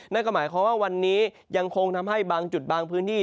นั่นก็หมายความว่าวันนี้ยังคงทำให้บางจุดบางพื้นที่